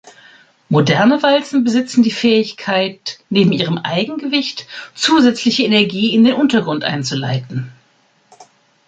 Moderne Walzen besitzen die Fähigkeit neben ihrem "Eigengewicht" zusätzliche Energie in den Untergrund einzuleiten.